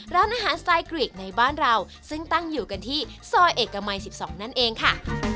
ร้านอาหารสไตลกรีกในบ้านเราซึ่งตั้งอยู่กันที่ซอยเอกมัย๑๒นั่นเองค่ะ